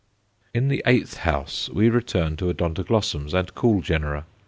In the eighth house we return to Odontoglossums and cool genera.